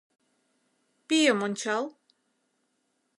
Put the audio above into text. Пийым ончал...